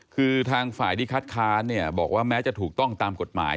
คือทางฝ่ายที่คัดค้านเนี่ยบอกว่าแม้จะถูกต้องตามกฎหมาย